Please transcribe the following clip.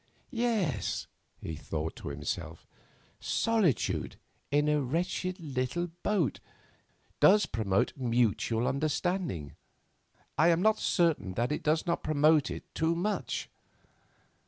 "Yes," he thought to himself, "'solitude in a wretched little boat' does promote mutual understanding. I am not certain that it does not promote it too much."